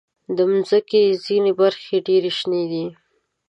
د مځکې ځینې برخې ډېر شنې دي.